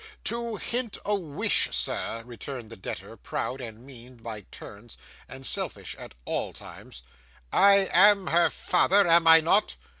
'To hint a wish, sir!' returned the debtor, proud and mean by turns, and selfish at all times. 'I am her father, am I not?